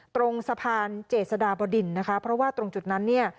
ตรงสะพานเจษฎาบดินนะคะเพราะว่าตรงจุดนั้นเนี่ย